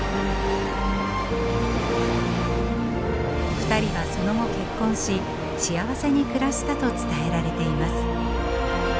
２人はその後結婚し幸せに暮らしたと伝えられています。